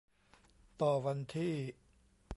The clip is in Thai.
ต่อวันที่